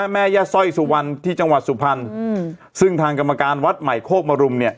แม่ย่าสร้อยสุวรรณที่จังหวัดสุพรรณซึ่งทางกรรมการวัดใหม่โคกมรุมเนี่ย